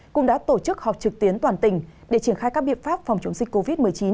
cũng đã tổ chức họp trực tuyến toàn tỉnh để triển khai các biện pháp phòng chống dịch covid một mươi chín